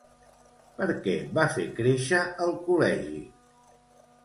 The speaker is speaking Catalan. Per què va fer créixer el col·legi?